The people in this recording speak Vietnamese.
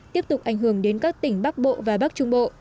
tiếp tục ảnh hưởng đến các tỉnh bắc bộ và bắc trung bộ